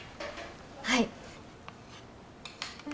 はい。